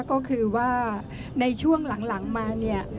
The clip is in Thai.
ก็คือว่าในช่วงหลังมา